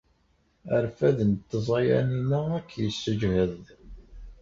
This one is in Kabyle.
Arfad n tẓayanin-a ad k-yessejhed.